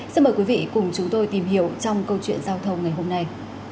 xin mời quý vị cùng chúng tôi tìm hiểu trong câu chuyện giao thông ngày hôm nay